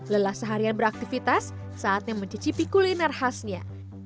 lelah seharian beraktivitas saatnya mencicipi kuliner khasnya